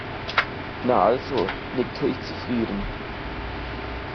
"Na also", nickte ich zufrieden.